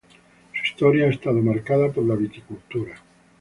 Su historia ha estado marcada por la viticultura.